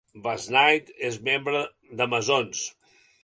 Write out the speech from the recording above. Basnight és membre de Masons.